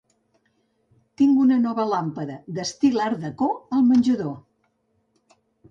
Tinc una nova làmpada d'estil d'art-déco al menjador.